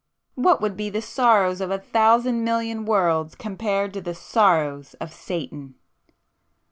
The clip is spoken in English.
What would be the sorrows of a thousand million worlds, compared to the sorrows of Satan!"